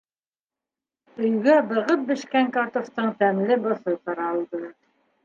Өйгә бығып бешкән картуфтың тәмле боҫо таралды.